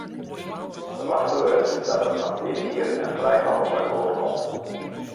Ferwachte wurdt dat der noch dit jier in frijhannelsakkoart komt.